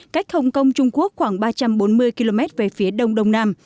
cách hồng kông trung quốc khoảng ba trăm bốn mươi km về phía đông đông nam